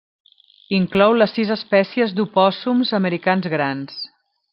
Inclou les sis espècies d'opòssums americans grans.